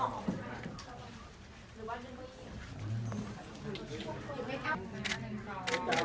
ขอสายตาซ้ายสุดด้วยครับ